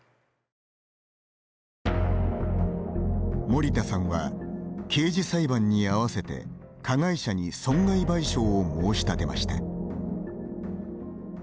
森田さんは刑事裁判に合わせて加害者に損害賠償を申し立てました。